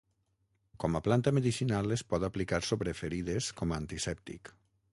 Com a planta medicinal es pot aplicar sobre ferides com a antisèptic.